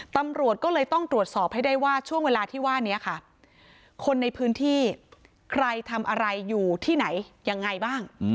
ตำรวจก็เลยต้องตรวจสอบให้ได้ว่าช่วงเวลาที่ว่านี้ค่ะคนในพื้นที่ใครทำอะไรอยู่ที่ไหนยังไงบ้าง